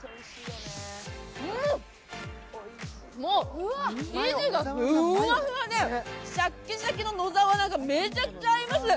うん、もう生地がふっわふわで、シャッキシャキの野沢菜がめちゃくちゃ合います。